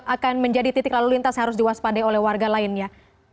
akan menjadi titik lalu lintas yang harus diwaspadai oleh warga lainnya